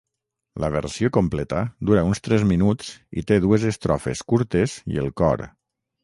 La versió completa dura uns tres minuts i té dues estrofes curtes i el cor.